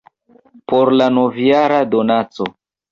por la nov-jara donaco